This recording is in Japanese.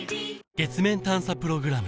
月面探査プログラム